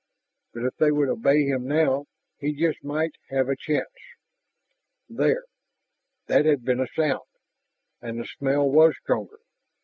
But if they would obey him now, he just might have a chance. There! That had been a sound, and the smell was stronger.